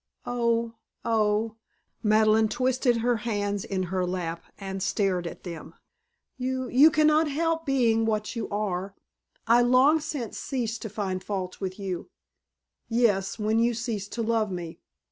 "Oh Oh " Madeleine twisted her hands in her lap and stared at them. "You you cannot help being what you are. I long since ceased to find fault with you " "Yes, when you ceased to love me!